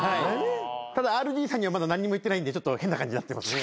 ただＲＧさんにはまだ何も言ってないんで変な感じになってますね。